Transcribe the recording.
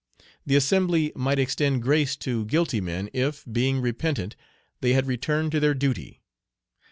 The assembly might extend grace to guilty men if, being repentant, they had returned to their duty.